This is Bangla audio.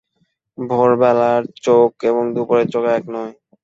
ভোরবেলার চোখ এবং দুপুরের চোখ এক নয়।